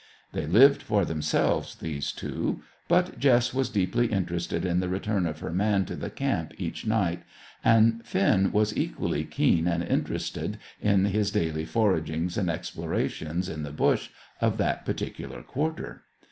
They lived for themselves, these two; but Jess was deeply interested in the return of her man to the camp each night, and Finn was equally keen and interested in his daily foragings and explorations in the bush of that particular quarter.